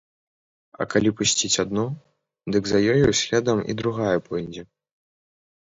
А калі пусціць адну, дык за ёю следам і другая пойдзе.